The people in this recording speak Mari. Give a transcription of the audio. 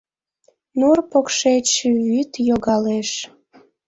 Нур покшеч вӱд йогалеш